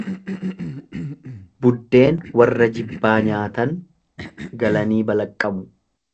Buddeena warra jibbaa nyaatan galanii balaqqamu.